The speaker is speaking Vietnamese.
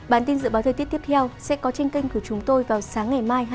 bản tin dự báo thời tiết tiếp theo sẽ có trên kênh của chúng tôi vào sáng ngày mai hai mươi bốn tháng ba